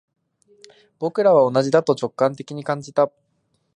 僕らは同じだと直感的に感じた